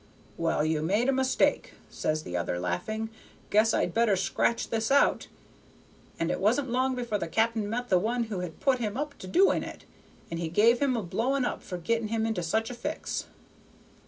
'Well, you made a mistake,' says the other, laughing; 'guess I'd better scratch this out.' And it wasn't long before the cap'n met the one who had put him up to doing it, and he give him a blowing up for getting him into such a fix.